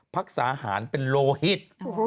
รักษาหารเป็นโลหิต